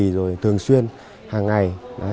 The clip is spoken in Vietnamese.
rồi thường xuyên hàng ngày